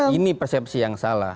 ini persepsi yang salah